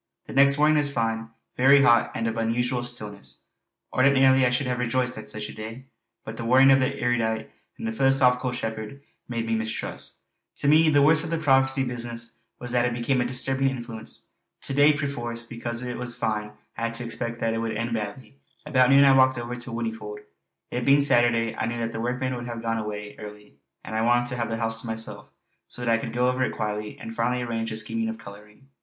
The next morning was fine, very hot, and of an unusual stillness. Ordinarily I should have rejoiced at such a day; but the warning of the erudite and philosophical shepherd made me mistrust. To me the worst of the prophecy business was that it became a disturbing influence. To day, perforce, because it was fine, I had to expect that it would end badly. About noon I walked over to Whinnyfold; it being Saturday I knew that the workmen would have gone away early, and I wanted to have the house to myself so that I could go over it quietly and finally arrange the scheme of colouring.